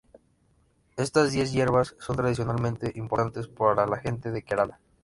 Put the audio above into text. Estas diez hierbas son tradicionalmente importantes para la gente de Kerala.